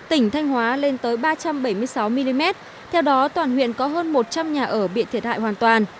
tỉnh thanh hóa lên tới ba trăm bảy mươi sáu mm theo đó toàn huyện có hơn một trăm linh nhà ở bị thiệt hại hoàn toàn